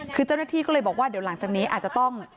คือเจ้าหน้าที่ก็เลยบอกว่าเดี๋ยวหลังจากนี้อาจจะต้อง